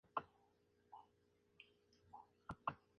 Sus canciones son una mezcla de música celta, folk y pagana.